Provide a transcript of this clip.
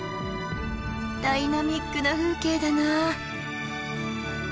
ダイナミックな風景だなあ。